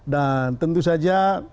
dan tentu saja